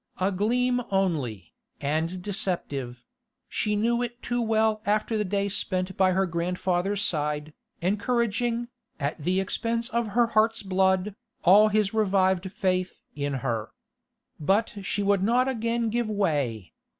A gleam only, and deceptive; she knew it too well after the day spent by her grandfather's side, encouraging, at the expense of her heart's blood, all his revived faith in her. But she would not again give way.